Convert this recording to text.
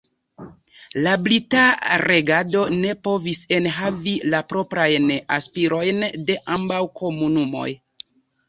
La brita regado ne povis enhavi la proprajn aspirojn de ambaŭ komunumoj.